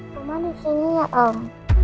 cuma di sini ya om